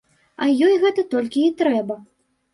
А ёй гэта толькі і трэба.